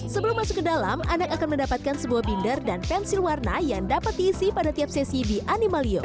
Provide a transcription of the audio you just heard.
sebelum masuk ke dalam anak akan mendapatkan sebuah binder dan pensil warna yang dapat diisi pada tiap sesi di animalium